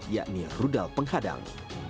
yakni rudal penghadang